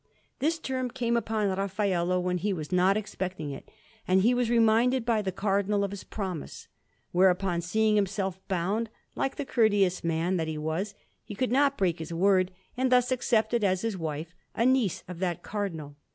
This term came upon Raffaello when he was not expecting it, and he was reminded by the Cardinal of his promise; whereupon, seeing himself bound, like the courteous man that he was, he would not break his word, and thus accepted as his wife a niece of that Cardinal.